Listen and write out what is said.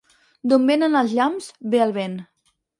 D'on venen els llamps ve el vent.